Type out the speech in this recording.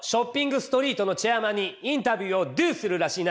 ストリートのチェアマンにインタビューをドゥするらしいな！